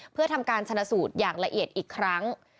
เพื่อทำการชนะสูตรอย่างละเอียดอีกครั้ง